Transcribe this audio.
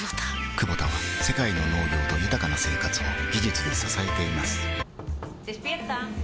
クボタは世界の農業と豊かな生活を技術で支えています起きて。